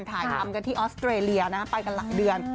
ถ่ายความรู้ที่ออสเตรเลียนะไปกันหลังเดือน